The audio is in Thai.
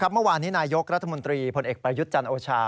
เมื่อวานนี้นายกรัฐมนตรีพลเอกประยุทธ์จันทร์โอชา